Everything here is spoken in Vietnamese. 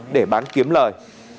để bán kiếm lời